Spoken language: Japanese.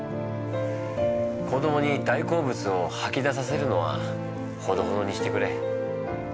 子どもに大好物を吐き出させるのはほどほどにしてくれ。